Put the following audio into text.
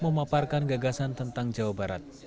memaparkan gagasan tentang jawa barat